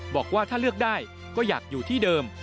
บอกว่าถ้าเลือกได้ก็อยากอยู่ที่เดิม